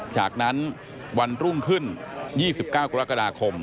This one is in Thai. จากนั้นวันรุ่งขึ้น๒๙กรกฎาคม